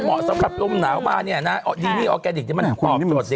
ก็ประมาทเนี่ยนะออดีนี่ออแกนิคที่เป็นขอบพอตรวจเด็ก